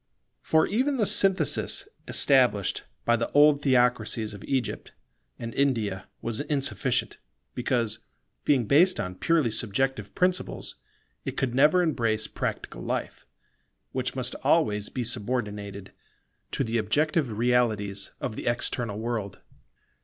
For even the synthesis established by the old theocracies of Egypt and India was insufficient, because, being based on purely subjective principles it could never embrace practical life, which must always be subordinated to the objective realities of the external world.